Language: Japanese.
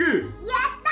やった！